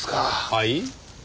はい？